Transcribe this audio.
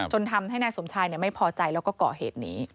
ทำให้นายสมชายไม่พอใจแล้วก็ก่อเหตุนี้